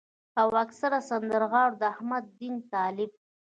او اکثره سندرغاړو د احمد دين طالب